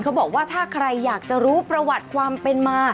เขาบอกว่าถ้าใครอยากจะรู้ประวัติความเป็นมา